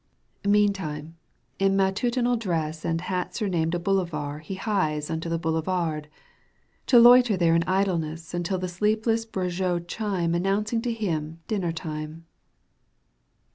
Meantime in matutinal dress And hat snmamed a " Bolivar"® ' He hies unto the " Boidevard," To loiter there in idleness Until the sle.epless Breguet chime ^ Announcing to him dinner time.